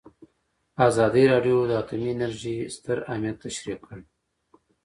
ازادي راډیو د اټومي انرژي ستر اهميت تشریح کړی.